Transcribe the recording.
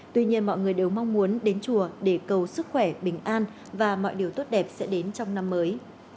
tuy nhiên mọi người đều mong muốn đến chùa để cầu sức khỏe bình an và mọi điều tốt đẹp sẽ đến trong năm mới